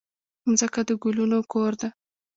مځکه د ګلونو کور ده.